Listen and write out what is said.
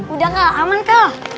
udah gak aman kak